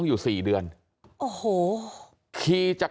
กลับไปลองกลับ